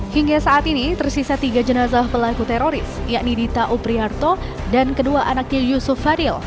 hingga saat ini tersisa tiga jenazah pelaku teroris yakni dita upriarto dan kedua anaknya yusuf fadil